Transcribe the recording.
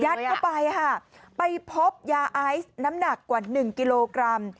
เข้าไปค่ะไปพบยาไอซ์น้ำหนักกว่า๑กิโลกรัม